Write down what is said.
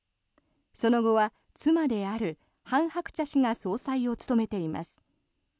その後は妻であるハン・ハクチャ氏が総裁を務めています。